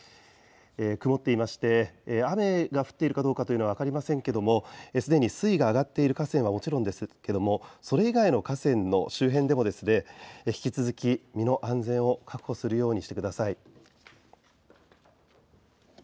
曇っていまして雨が降っているかどうかは分かりませんけれどもすでに水位が上がっている河川はもちろんですけれどもそれ以外の河川の周辺でも引き続き身の安全を確保するようにしてください。